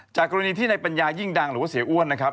กรณีที่ในปัญญายิ่งดังหรือว่าเสียอ้วนนะครับ